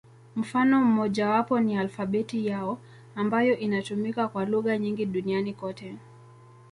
Mfano mmojawapo ni alfabeti yao, ambayo inatumika kwa lugha nyingi duniani kote.